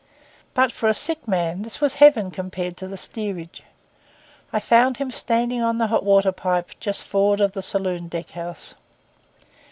But for a sick man this was heaven compared to the steerage. I found him standing on the hot water pipe, just forward of the saloon deck house.